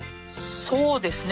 そうですね。